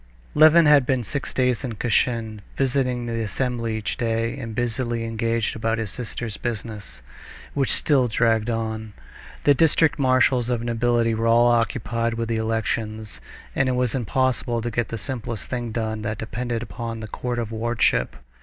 Levin had been six days in Kashin, visiting the assembly each day, and busily engaged about his sister's business, which still dragged on. The district marshals of nobility were all occupied with the elections, and it was impossible to get the simplest thing done that depended upon the court of wardship.